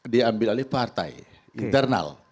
diambil oleh partai internal